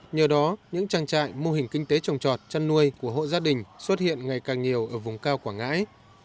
nhờ đó những trang trại mô hình kinh tế trồng trọt chăn nuôi của hộ gia đình xuất hiện ngày càng nhiều ở vùng cao quảng ngãi